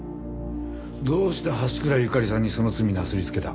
どうして橋倉ゆかりさんにその罪なすりつけた？